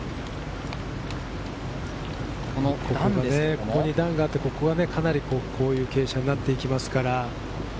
ここに段があって、ここはこういう傾斜になっていきますから。